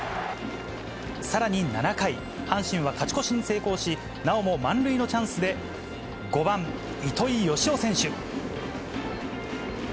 さらに７回、阪神は勝ち越しに成功し、なおも満塁のチャンスで、５番糸井嘉男選手。